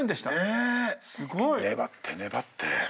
ねえ粘って粘って。